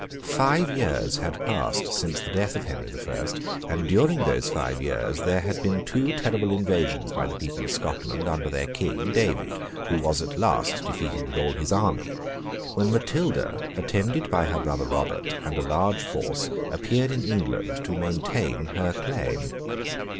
Five years had passed since the death of Henry the First—and during those five years there had been two terrible invasions by the people of Scotland under their King, David, who was at last defeated with all his army—when Matilda, attended by her brother Robert and a large force, appeared in England to maintain her claim.